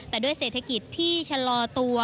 แต่ด้วยเศรษฐกิจที่ชะลอตัว